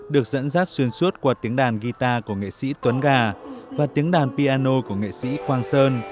được dẫn dắt xuyên suốt qua tiếng đàn guitar của nghệ sĩ tuấn gà và tiếng đàn piano của nghệ sĩ quang sơn